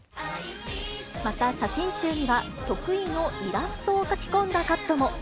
また、写真集には、得意のイラストを描き込んだカットも。